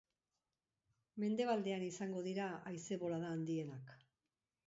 Mendebaldean izango dira haize-bolada handienak.